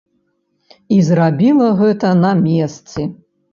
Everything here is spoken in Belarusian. І зрабіла гэта на месцы.